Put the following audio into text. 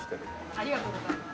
ありがとうございます。